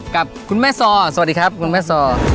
กับคุณแม่ซอสวัสดีครับคุณแม่ซอ